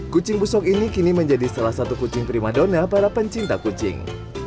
kucing busok ini kini menjadi salah satu kucing prima dona para pencinta kucing